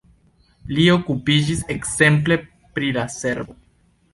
Li okupiĝis ekzemple pri la cerbo.